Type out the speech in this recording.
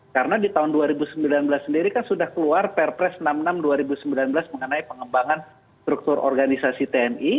karena di tahun dua ribu sembilan belas sendiri kan sudah keluar perpres enam puluh enam dua ribu sembilan belas mengenai pengembangan struktur organisasi tni